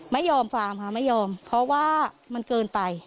ไม่ยอมฟาร์มค่ะไม่ยอมเพราะว่ามันเกินไป